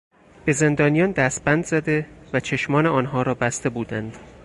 به زندانیان دستبند زده و چشمان آنها را بسته بودند.